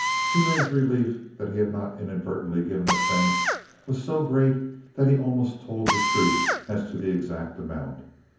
Toomey's relief that he had not inadvertently given offense was so great that he almost told the truth as to the exact amount.